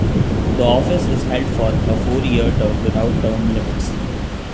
The office is held for a four-year term without term limits.